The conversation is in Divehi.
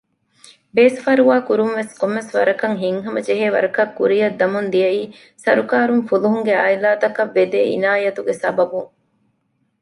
ބޭސްފަރުވާ ކުރުންވެސް ކޮންމެވެސް ވަރަކަށް ހިތްހަމަޖެހޭވަރަކަށް ކުރިއަށް ދަމުން ދިޔައީ ސަރުކާރުން ފުލުހުންގެ އާއިލާތަކަށް ވެދޭ އިނާޔަތުގެ ސަބަބުން